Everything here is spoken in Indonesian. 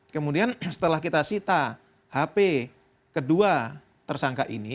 kemudian setelah kita sita hp kedua tersangka ini